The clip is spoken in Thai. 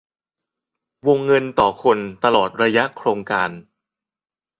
วงเงินต่อคนตลอดระยะโครงการ